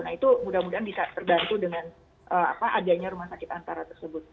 nah itu mudah mudahan bisa terbantu dengan adanya rumah sakit antara tersebut